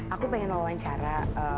aku pengen wawancara